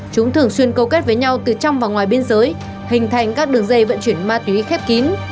chúng thường xuyên câu kết với nhau từ trong và ngoài biên giới hình thành các đường dây vận chuyển ma túy khép kín